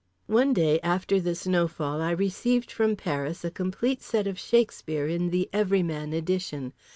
One day, after the snowfall, I received from Paris a complete set of Shakespeare in the Everyman edition.